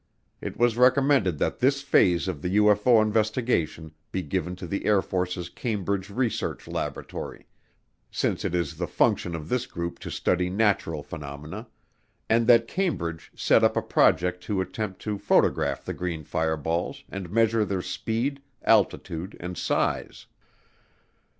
It was recommended that this phase of the UFO investigation be given to the Air Force's Cambridge Research Laboratory, since it is the function of this group to study natural phenomena, and that Cambridge set up a project to attempt to photograph the green fireballs and measure their speed, altitude, and size.